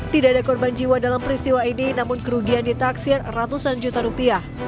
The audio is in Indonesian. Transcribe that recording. tidak ada korban jiwa dalam peristiwa ini namun kerugian ditaksir ratusan juta rupiah